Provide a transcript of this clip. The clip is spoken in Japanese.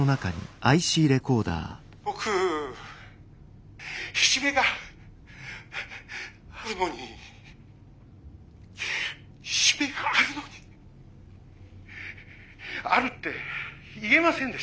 「僕いじめがあるのにいじめがあるのにあるって言えませんでした」。